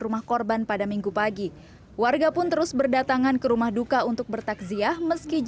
rumah korban pada minggu pagi warga pun terus berdatangan ke rumah duka untuk bertakziah meski